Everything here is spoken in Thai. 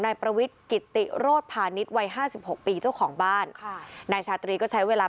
นายประวิทย์กิติโรธพาณิชย์วัยห้าสิบหกปีเจ้าของบ้านค่ะนายชาตรีก็ใช้เวลา